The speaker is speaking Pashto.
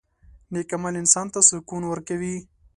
• نیک عمل انسان ته سکون ورکوي.